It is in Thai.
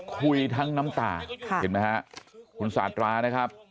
คุยทั้งน้ำตาเห็นไหมฮะคุณสาธานะครับ